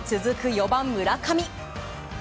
４番、村上。